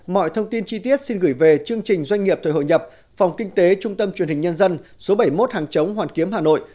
mọi thông tin chi tiết xin gửi về chương trình doanh nghiệp thời hội nhập phòng kinh tế trung tâm truyền hình nhân dân số bảy mươi một hàng chống hoàn kiếm hà nội